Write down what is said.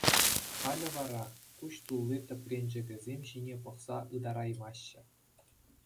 Халӗ вара куҫ тулли тӗпренчӗкӗсем ҫине пӑхса ытараймаҫҫӗ.